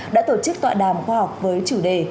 đã tổ chức tọa đàm khoa học với chủ đề